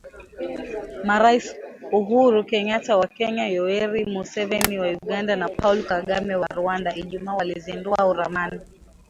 Marais Uhuru Kenyata wa Kenya, Yoweri Museveni wa Uganda, na Paul Kagame wa Rwanda Ijumaa walizindua ramani